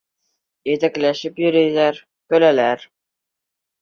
Етәкләшеп йөрөйҙәр, көләләр...